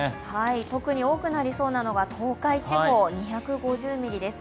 特に多くなりそうなのが東海地方、２５０ミリです。